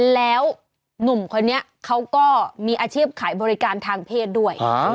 แล้วหนุ่มคนนี้เขาก็มีอาชีพขายบริการทางเพศด้วย